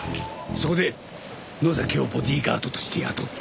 そこで野崎をボディーガードとして雇った。